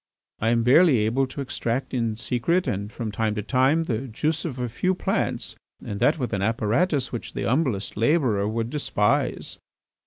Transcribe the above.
I am barely able to extract in secret and from time to time the juice of a few plants and that with an apparatus which the humblest labourer would despise."